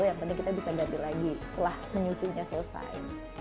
yang penting kita bisa ganti lagi setelah menyusuinya selesai